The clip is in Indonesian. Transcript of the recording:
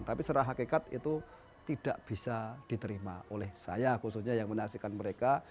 tapi secara hakikat itu tidak bisa diterima oleh saya khususnya yang menyaksikan mereka